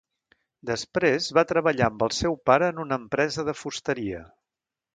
Després, va treballar amb el seu pare en una empresa de fusteria.